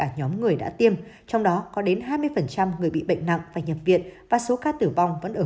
một trăm linh người đã tiêm trong đó có đến hai mươi người bị bệnh nặng và nhập viện và số ca tử vong vẫn ở